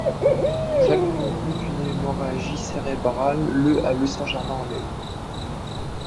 Jacques mourut d'une hémorragie cérébrale le à Saint-Germain-en-Laye.